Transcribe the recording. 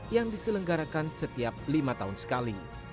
yang diselenggarakan setiap lima tahun sekali